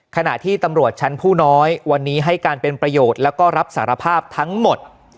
ขณะที่ตำรวจชั้นผู้น้อยวันนี้ให้การเป็นประโยชน์แล้วก็รับสารภาพทั้งหมด